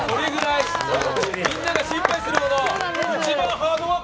みんなが心配するほど。